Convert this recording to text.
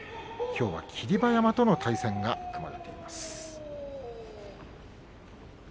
きょうは霧馬山との対戦が組まれました。